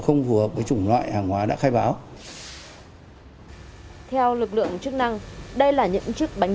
không phù hợp với chủng loại hàng hóa đã khai báo theo lực lượng chức năng đây là những chiếc bánh